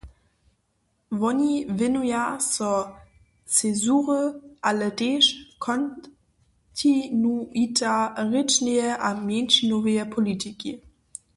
Woni wěnuja so cezury, ale tež kontinuita rěčneje a mjeńšinoweje politiki.